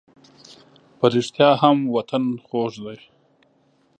په رښتیا هم وطن خوږ دی.